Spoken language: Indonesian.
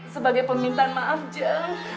sebagai pemintaan maaf jun